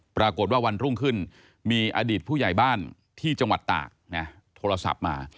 วันรุ่งขึ้นมีอดีตผู้ใหญ่บ้านที่จังหวัดตากโทรศัพท์มา